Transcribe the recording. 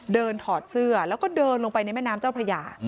ถอดเสื้อแล้วก็เดินลงไปในแม่น้ำเจ้าพระยา